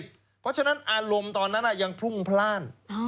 เพราะฉะนั้นอารมณ์ตอนนั้นยังพรุ่งพลาด